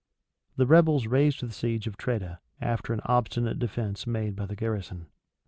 The rebels raised the siege of Tredah, after an obstinate defence made by the garrison.